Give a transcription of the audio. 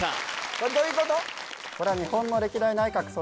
これどういうこと？